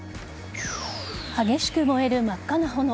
激しく燃える真っ赤な炎。